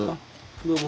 どうも。